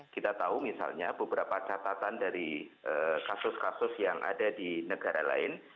kita tahu misalnya beberapa catatan dari kasus kasus yang ada di negara lain